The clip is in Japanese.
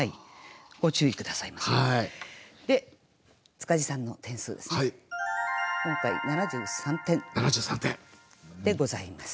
塚地さんの点数ですね今回７３点でございます。